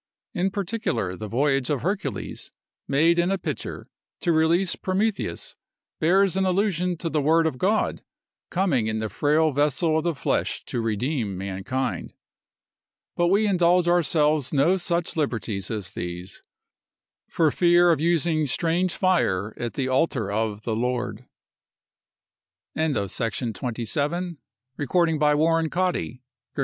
In particular, the voyage of Hercules, made in a pitcher, to release Prometheus, bears an allusion to the word of God, coming in the frail vessel of the flesh to redeem mankind. But we indulge ourselves no such liberties as these, for fear of using strange fire at the altar of the Lord. XXVII.—ICARUS AND SCYLLA AND CHARYBDIS, OR THE MIDDLE WAY.